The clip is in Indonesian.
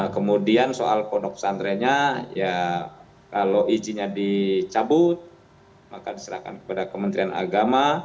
kemudian soal pondok pesantrennya ya kalau izinnya dicabut maka diserahkan kepada kementerian agama